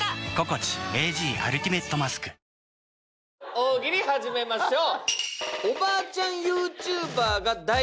大喜利始めましょう